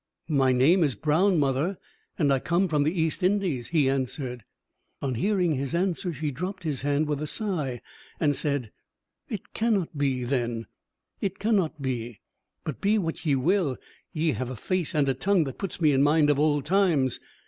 "My name is Brown, mother, and I come from the East Indies," he answered. On hearing his answer she dropped his hand with a sigh, and said: "It cannot be, then it cannot be; but be what ye will, ye have a face and a tongue that puts me in mind of old times."